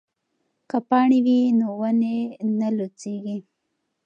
که پاڼې وي نو ونې نه لوڅیږي.